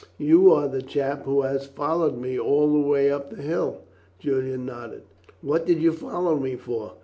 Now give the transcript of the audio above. You are the chap who has followed me all the way up the hill?" Julian nodded. "What did you follow me for?"